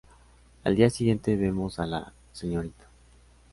Al día siguiente vemos a la Srta.